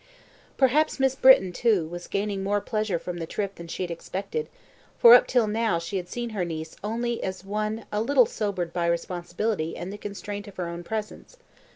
Perhaps Miss Britton, too, was gaining more pleasure from the trip than she had expected, for up till now she had seen her niece only as one a little sobered by responsibility and the constraint of her own presence.